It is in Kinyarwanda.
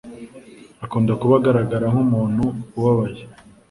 akunda kuba agaragara nkumuntu ubabaye